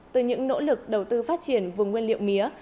từ những nỗ lực đầu tư phát triển vùng nguyên liệu mía